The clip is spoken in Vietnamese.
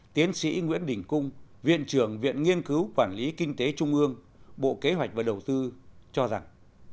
tiến sĩ nguyễn đình cung viện trưởng viện nghiên cứu quản lý kinh tế trung ương bộ kế hoạch và đầu tư cho rằng